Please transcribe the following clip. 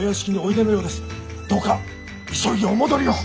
どうか急ぎお戻りを！